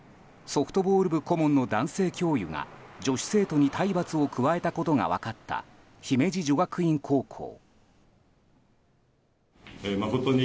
ソフトボール部顧問の男性教諭が女子生徒に体罰を加えたことが分かった姫路女学院高校。